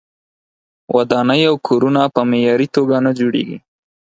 ودانۍ او کورونه په معیاري توګه نه جوړیږي.